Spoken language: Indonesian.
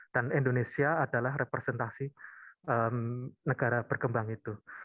dan indonesia adalah representasi negara berkembang itu